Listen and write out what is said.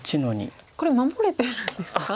これ守れてるんですか？